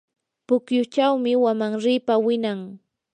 pukyuchawmi wamanripa winan.